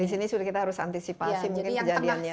di sini sudah kita harus antisipasi mungkin kejadiannya